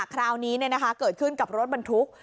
คราวนี้เนี่ยนะคะเกิดขึ้นกับรถบรรทุก